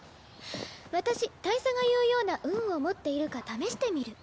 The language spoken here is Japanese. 私大佐が言うような運を持っているか試してみる。